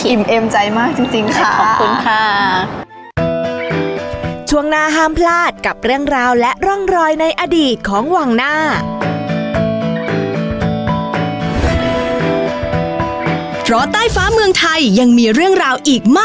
อิ่มเอ็มใจมากจริงค่ะ